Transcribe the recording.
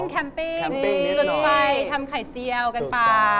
แคมปิ้งจุดไฟทำไข่เจียวกันไป